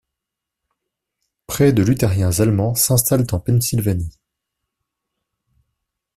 Près de luthériens allemands s'installent en Pennsylvanie.